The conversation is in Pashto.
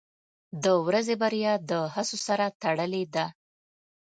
• د ورځې بریا د هڅو سره تړلې ده.